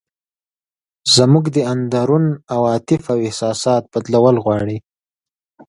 زموږ د اندرون عواطف او احساسات بدلول غواړي.